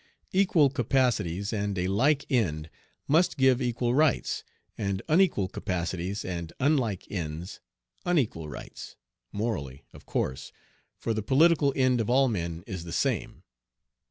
Equal capacities and a like end must give equal rights, and unequal capacities and unlike ends unequal rights, morally, of course, for the political end of all men is the same.